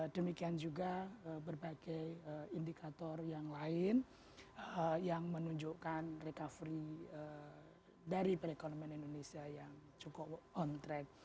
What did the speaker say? demikian juga berbagai indikator yang lain yang menunjukkan recovery dari perekonomian indonesia yang cukup on track